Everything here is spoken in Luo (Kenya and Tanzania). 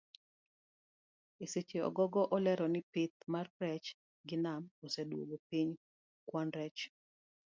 Eseche ogogo olero ni pith mar rech ei nam oseduoko piny kwan rech.